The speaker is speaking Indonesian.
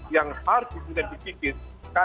yang harus kita dipikirkan